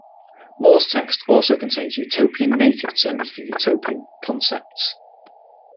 More's text also contains Utopian "native" terms for Utopian concepts.